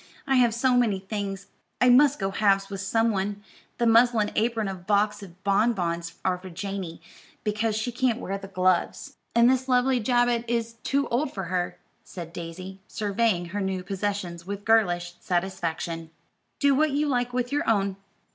I have so many things, I must go halves with some one. The muslin apron and box of bonbons are for Janey, because she can't wear the gloves, and this lovely jabot is too old for her," said Daisy, surveying her new possessions with girlish satisfaction. "Do what you like with your own.